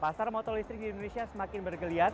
pasar motor listrik di indonesia semakin bergeliat